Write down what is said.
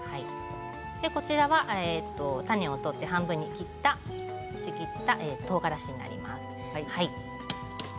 こちらは種を取って半分にちぎったとうがらしになります。